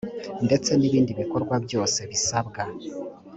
ndetse n ibindi bikorwa byose bisabwa